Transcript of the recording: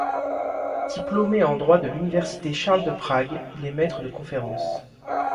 Diplômé en droit de l'université Charles de Prague, il est maître de conférences.